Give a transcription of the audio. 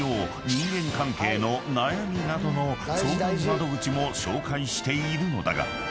人間関係の悩みなどの相談窓口も紹介しているのだが］